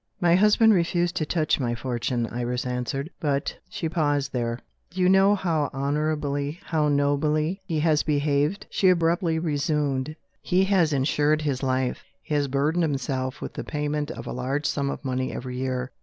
"My husband refused to touch my fortune," Iris answered. "But" She paused, there. "Do you know how honourably, how nobly, he has behaved?" she abruptly resumed. "He has insured his life: he has burdened himself with the payment of a large sum of money every year.